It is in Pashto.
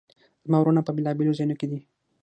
زما وروڼه په بیلابیلو ځایونو کې دي